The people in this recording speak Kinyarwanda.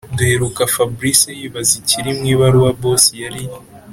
duheruka fabric yibaza icyiri mwibaruwa boss yari